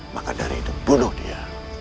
maka dari itu bunuh dia